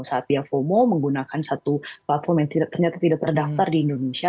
satya fomo menggunakan satu platform yang ternyata tidak terdaftar di indonesia